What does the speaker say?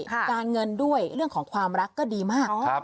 การเงินด้วยเรื่องของความรักก็ดีมาก